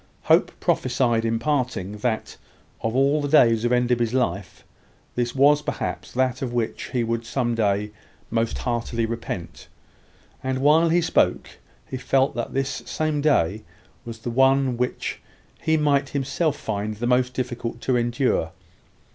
Hope prophesied, in parting, that, of all the days of Enderby's life, this was perhaps that of which he would one day most heartily repent; and while he spoke, he felt that this same day was the one which he might himself find the most difficult to endure.